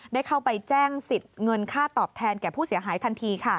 ได้เข้าไปแจ้งสิทธิ์เงินค่าตอบแทนแก่ผู้เสียหายทันที